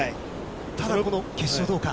ただこの決勝どうか。